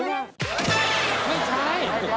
ไม่ใช่